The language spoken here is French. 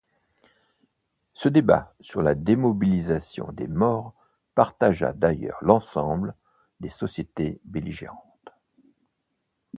Ce débat sur la démobilisation des morts partagea d'ailleurs l'ensemble des sociétés belligérantes.